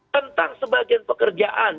tentang sebagian pekerjaan